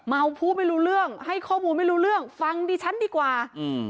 พูดไม่รู้เรื่องให้ข้อมูลไม่รู้เรื่องฟังดิฉันดีกว่าอืม